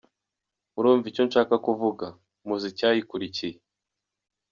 “Murumva icyo nshaka kuvuga” muzi icyayikurikiye.